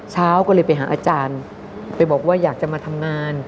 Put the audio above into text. เช้าก็เลยไปหาอาจารย์ไปบอกว่าอยากจะมาทำงาน